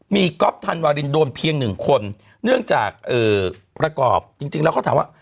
มีก๊อฟธันวารินโดนเพียงหนึ่งคนเนื่องจากประกอบจริงแล้วเขาถามว่า